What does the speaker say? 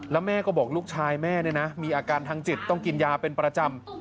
แล้วแม่ก็บอกลูกชายแม่เนี่ยนะมีอาการทางจิตต้องกินยาเป็นประจำ